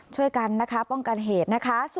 ช่วยกันนะคะป้องกันเหตุนะคะ